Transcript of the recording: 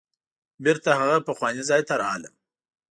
بیرته هغه پخواني ځای ته راغلم.